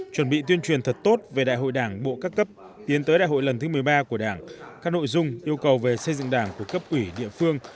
chuẩn bị tuyên truyền thật tốt về đại hội đảng bộ các cấp tiến tới đại hội lần thứ một mươi ba của đảng các nội dung yêu cầu về xây dựng đảng của cấp ủy địa phương